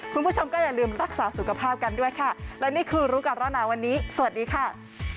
คุณผู้ชมก็อย่าลืมรักษาสุขภาพกันด้วยค่ะและนี่คือรู้ก่อนร้อนหนาวันนี้สวัสดีค่ะ